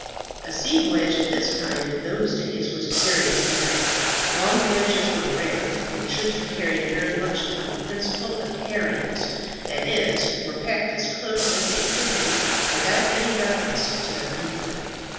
A sea voyage of this kind in those days was a serious matter. Long voyages were rare, and troops were carried very much upon the principle of herrings; that is, were packed as close as they could be, without any reference to their comfort.